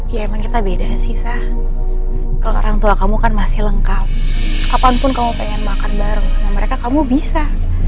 ya emang kita beda sih sah kalau orang tua kamu kan masih lengkap kapanpun kamu pengen makan bareng sama mereka kamu bisa